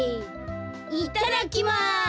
いただきます！